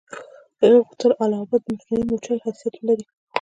هغه غوښتل اله آباد د مخکني مورچل حیثیت ولري.